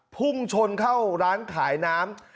พุ่งชนเข้าร้านขายน้ำ